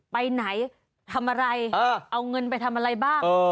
ไปไหนทำอะไรเอาเงินไปทำอะไรบ้าง